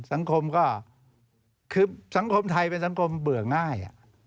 สังคมก็คือสังคมไทยเป็นสังคมเบื่อง่าย